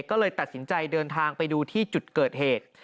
ก็เลยตัดสินใจเดินทางไปดูที่จุดเกิดเหตุ